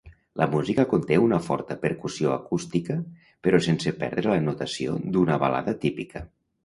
La música conté una forta percussió acústica però sense perdre la notació d'una balada típica.